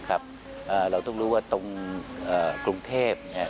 เราต้องรู้ว่าตรงกรุงเทพ